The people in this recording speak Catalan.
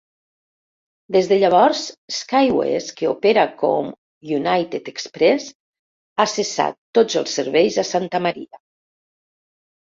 Des de llavors, SkyWest, que opera com United Express, ha cessat tots els serveis a Santa Maria.